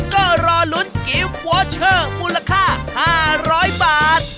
ก็รอลุ้นกิฟต์วอเชอร์มูลค่า๕๐๐บาท